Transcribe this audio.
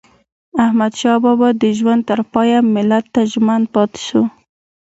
احمدشاه بابا د ژوند تر پایه ملت ته ژمن پاته سو.